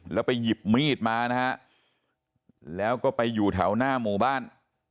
แล้วไปหยิบมีดมานะฮะแล้วก็ไปอยู่แถวหน้าหมู่บ้าน